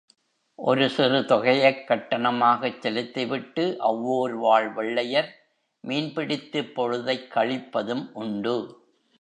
ஒரு சிறு தொகையைக் கட்டணமாகச் செலுத்திவிட்டு, அவ்வூர் வாழ் வெள்ளையர் மீன் பிடித்துப் பொழுதைக் கழிப்பதும் உண்டு.